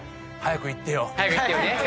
『早くイッてよ』ね！